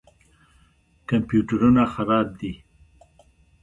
کمپیوټرونه خراب دي.